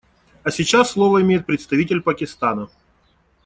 А сейчас слово имеет представитель Пакистана.